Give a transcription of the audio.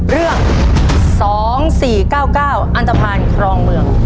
เรื่อง๒๔๙๙อันตภัณฑ์ครองเมือง